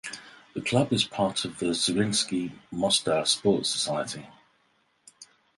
The club is part of the Zrinjski Mostar sport society.